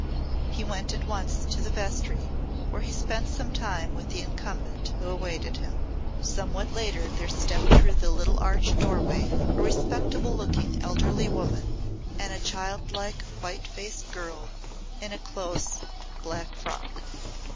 He went at once to the vestry where he spent some time with the incumbent who awaited him. Somewhat later there stepped through the little arched doorway a respectable looking elderly woman and a childlike white faced girl in a close black frock.